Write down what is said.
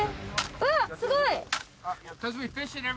わっすごい。